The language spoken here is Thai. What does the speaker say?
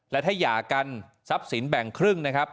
และถ้าหย่ากันทรัพย์สินแบ่งครึ่งนะครับ